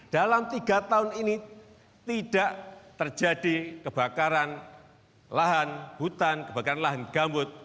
dalam tiga tahun ini tidak terjadi kebakaran lahan hutan kebakaran lahan gambut